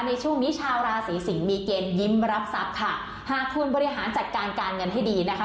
ในช่วงนี้ชาวราศีสิงศ์มีเกณฑ์ยิ้มรับทรัพย์ค่ะหากคุณบริหารจัดการการเงินให้ดีนะคะ